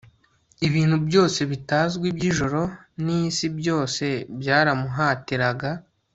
Ibintu byose bitazwi byijoro nisi byose byaramuhatiraga